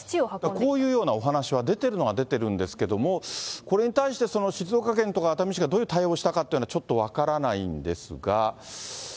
こういうようなお話は出てるのは出てるんですけれども、これに対して静岡県とか熱海市がどういう対応をしたかというのは、ちょっと分からないんですが。